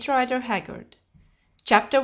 Rider Haggard CHAPTER I.